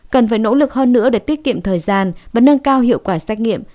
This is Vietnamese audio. cần phải nỗ lực hơn nữa để tiết kiệm thời gian và nâng cao hiệu quả xét nghiệm